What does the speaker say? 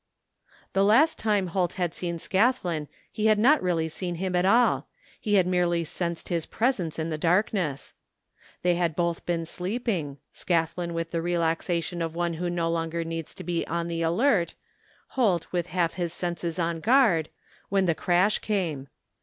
The last time Holt had seen Scathlin he had not really seen him at all, he had merely sensed his presence in the darkness. They had both been sleeping — Scathlin with the relaxation of one who no longer needs to be on the 130 THE FINDING OF JASPER HOLT alert, Holt with half his senses on guard — when the crash came.